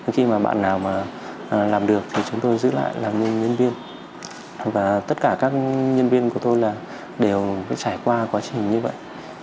khi mà bạn nào mà làm được thì chúng tôi giữ lại làm nhân viên và tất cả các nhân viên của tôi là đều trải qua quá trình như vậy